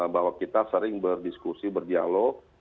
bahwa kita sering berdiskusi berdialog